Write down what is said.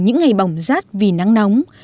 những ngày bỏng rát vì nắng nóng